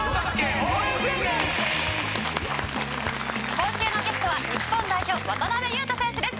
今週のゲストは日本代表渡邊雄太選手です。